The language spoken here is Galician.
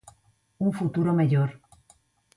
Un futuro mellor.